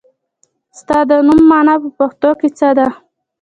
ستا د نوم مانا په پښتو کې څه ده ؟